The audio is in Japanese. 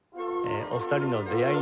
お二人の出会いの地